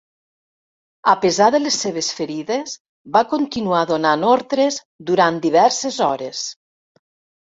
A pesar de les seves ferides, va continuar donant ordres durant diverses hores.